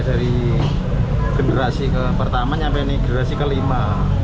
dari generasi pertama sampai ini generasi kelima